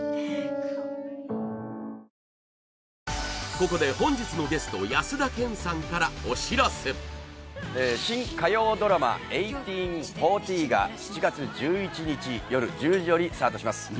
ここで本日のゲスト新火曜ドラマ「１８／４０」が７月１１日よる１０時よりスタートします